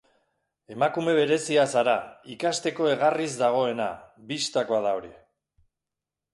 Emakume berezia zara, ikasteko egarriz dagoena, bistakoa da hori.